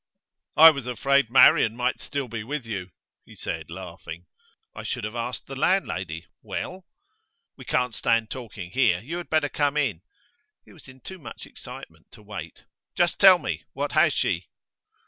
'I was afraid Marian might still be with you,' he said, laughing. 'I should have asked the landlady. Well?' 'We can't stand talking here. You had better come in.' He was in too much excitement to wait. 'Just tell me. What has she?